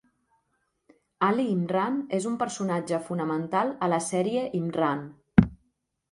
Ali Imran és un personatge fonamental a la sèrie Imran.